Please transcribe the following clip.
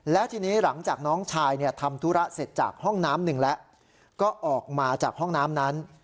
แล้วทีนี้หลังจากน้องชายทำธุระเสร็จจากห้องน้ำหนึ่งแล้วก็ออกมาจากห้องน้ำนั้น